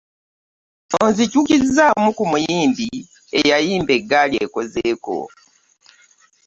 Nzijukizaamu ku muyimbi eyayimba eggaali ekozeeko.